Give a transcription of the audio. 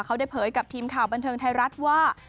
เขาได้เผยกับทีมข่าวบันเทิงไทยรัฐว่า